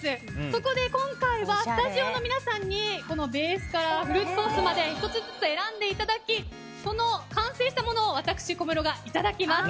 そこで今回はスタジオの皆さんにベースからフルーツソースまで一つ一つ選んでいただきその完成したものを私、小室がいただきます。